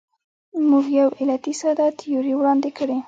موږ یو علتي ساده تیوري وړاندې کړې.